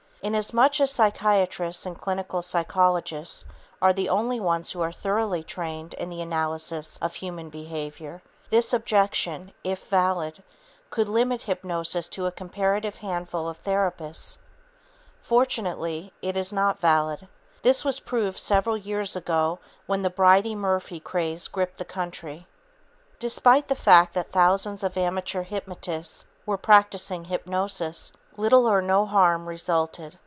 Inasmuch as psychiatrists and clinical psychologists are the only ones who are thoroughly trained in the analysis of human behavior, this objection, if valid, could limit hypnosis to a comparative handful of therapists. Fortunately, it is not valid. This was proved several years ago when the "Bridey Murphy" craze gripped the country. Despite the fact that thousands of amateur hypnotists were practicing hypnosis, little or no harm resulted.